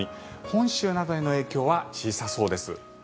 本州などへの影響は小さそうです。